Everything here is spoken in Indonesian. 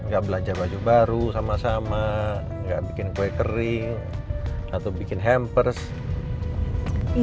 gak belanja baju baru sama sama bikin kue kering atau bikin hampers iya aku kayaknya belum bisa